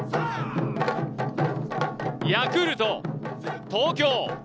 ヤクルト・東京。